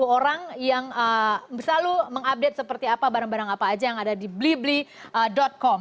empat ribu tujuh ratus tiga puluh orang yang selalu mengupdate seperti apa barang barang apa aja yang ada di beli beli com